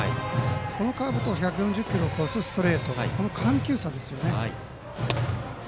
このカーブと１４０キロを超すストレートの緩急差ですね。